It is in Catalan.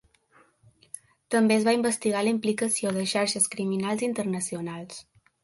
També es va investigar la implicació de xarxes criminals internacionals.